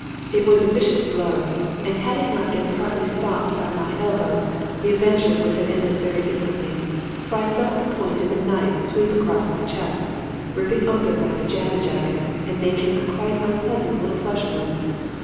It was a vicious blow and had it not been partly stopped by my elbow the adventure would have ended very differently, for I felt the point of a knife sweep across my chest, ripping open my pajama jacket and making a quite unpleasant little flesh wound.